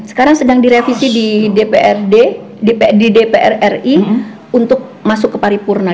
sekarang sedang direvisi di dpr ri untuk masuk ke paripurna